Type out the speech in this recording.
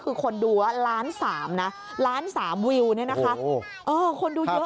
คือคนดูว่าล้านสามนะล้านสามวิวเนี่ยนะคะคนดูเยอะ